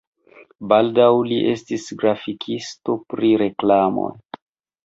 Baldaŭ li estis grafikisto pri reklamoj.